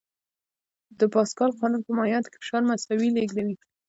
د پاسکال قانون په مایعاتو کې فشار مساوي لېږدوي.